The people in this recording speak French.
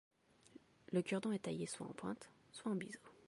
Le cure-dent est taillé soit en pointe, soit en biseau.